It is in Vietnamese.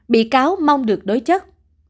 bị cáo mong được đối chất